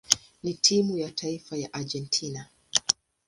na timu ya taifa ya Argentina.